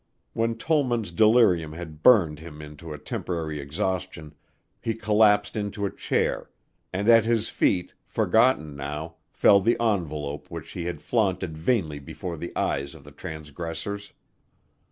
When Tollman's delirium had burned him into a temporary exhaustion he collapsed into a chair and at his feet, forgotten now, fell the envelope which he had flaunted vainly before the eyes of the transgressors.